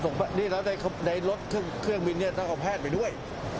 นี่แล้วในรถเครื่องบินเนี่ยต้องเอาแพทย์ไปด้วย